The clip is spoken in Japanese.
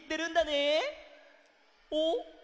おっ！